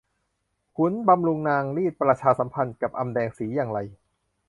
ขุนบำรุงราชรีดประชาสัมพันกับอำแดงสีอย่างไร